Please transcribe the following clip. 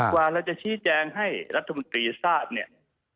กว่าเราจะชี้แจงให้รัฐมนตรีทราบเนี่ย